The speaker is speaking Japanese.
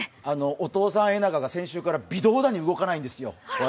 お父さんエナガが先週から微動だに動かないんですよ。